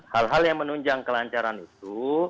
hal hal yang menunjang kelancaran itu